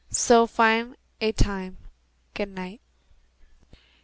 So fine a time ! Good night.